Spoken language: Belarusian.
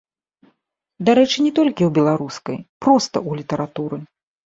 Дарэчы, не толькі ў беларускай, проста ў літаратуры.